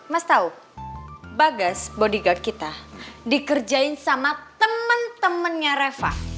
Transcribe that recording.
mas tau bagas bodyguard kita dikerjain sama temen temennya reva